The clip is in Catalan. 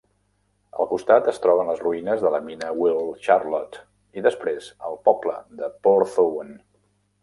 Al costat es troben les ruïnes de la mina Wheal Charlotte i després el poble de Porthtowan.